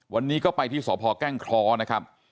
วันนี้ก็ไปที่สพแก้งเคราะห์นะครับ